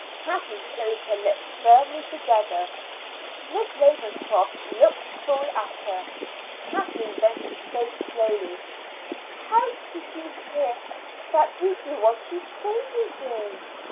Kathleen closed her lips firmly together. Miss Ravenscroft looked full at her. Kathleen then spoke slowly: "How did you hear that we do what you say we do?"